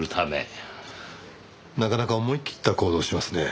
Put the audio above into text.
なかなか思い切った行動をしますね。